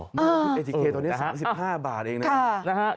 เออเออนะฮะคุณเอจิเคร์ตอนนี้๓๕บาทเองนะฮะค่ะนะฮะ